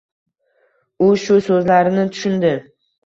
U shu so‘zlarini tushundi.